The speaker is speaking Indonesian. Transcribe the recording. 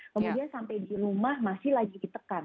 kemudian sampai di rumah masih lagi ditekan